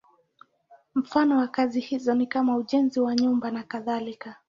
Mfano wa kazi hizo ni kama ujenzi wa nyumba nakadhalika.